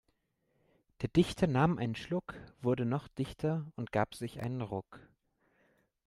Der Dichter nahm einen Schluck, wurde noch dichter und gab sich einen Ruck.